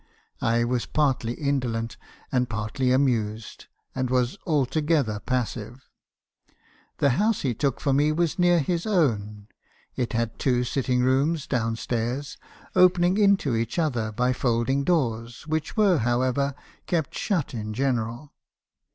I was partly indolent, and partly amused, and was altogether passive. The house he took for me was near his own: it had two sitting rooms down stairs, opening into each other by folding doors, which were, however, kept shut in general.